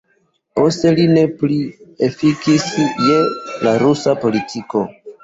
Poste li ne plu efikis je la rusa politiko.